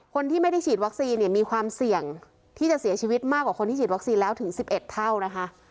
คนที่ไม่ได้ฉีดวัคซีนเนี่ยมีความเสี่ยงที่จะเสียชีวิตมากกว่าคนที่ฉีดวัคซีนแล้วถึง๑๑เท่านะคะ